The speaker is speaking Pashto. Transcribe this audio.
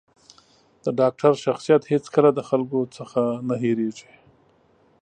د ډاکتر شخصیت هېڅکله د خلکو ځکه نه هېرېـږي.